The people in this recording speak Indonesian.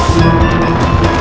dan aku juga